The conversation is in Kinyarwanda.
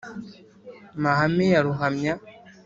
mahame ya ruhamya